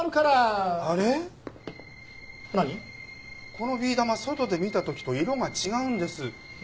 このビー玉外で見た時と色が違うんです。